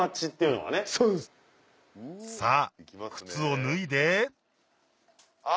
さぁ靴を脱いであ！